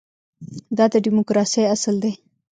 دا د ډیموکراسۍ اصل دی.